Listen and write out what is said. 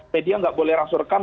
media nggak boleh langsung rekam